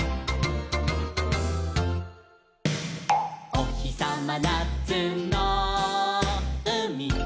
「おひさまなつのうみ」